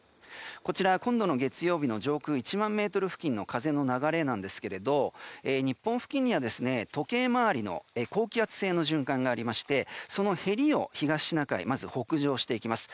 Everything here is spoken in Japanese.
こちら、今度の月曜日の上空１万ｍ付近の風の様子ですが日本付近には、時計回りの高気圧性の循環がありましてそのへりを、東シナ海を北上していきます。